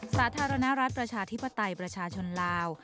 สาธารณรัฐประชาธิปไตยประชาชนลาว